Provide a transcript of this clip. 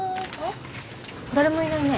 誰もいないね。